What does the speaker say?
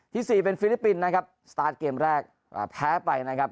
สี่เป็นฟิลิปปินส์นะครับสตาร์ทเกมแรกแพ้ไปนะครับ